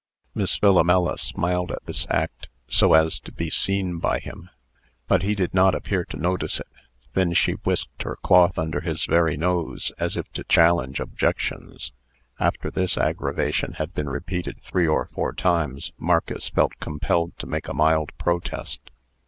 Miss Philomela smiled at this act so as to be seen by him. But he did not appear to notice it. Then she whisked her cloth under his very nose, as if to challenge objections. After this aggravation had been repeated three or four times, Marcus felt compelled to make a mild protest.